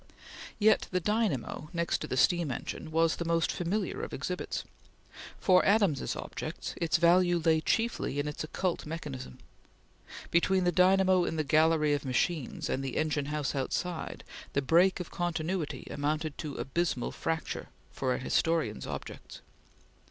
Yet the dynamo, next to the steam engine, was the most familiar of exhibits. For Adams's objects its value lay chiefly in its occult mechanism. Between the dynamo in the gallery of machines and the engine house outside, the break of continuity amounted to abysmal fracture for a historian's objects.